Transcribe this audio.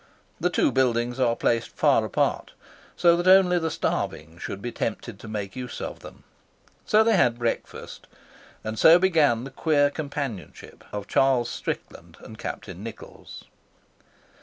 The two buildings are placed far apart, so that only the starving should be tempted to make use of them. So they had breakfast, and so began the queer companionship of Charles Strickland and Captain Nichols.